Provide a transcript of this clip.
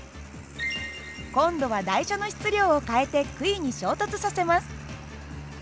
今度は台車の質量を変えて杭に衝突させます。